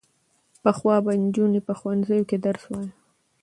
پخوا به نجونو په ښوونځیو کې درس وايه.